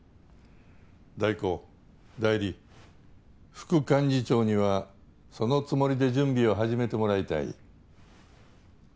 代行代理副幹事長にはそのつもりで準備を始めてもらいたい。